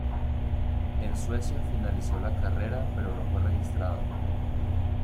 En Suecia finalizó la carrera, pero no fue registrado.